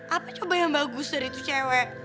apa coba yang bagus dari itu cewek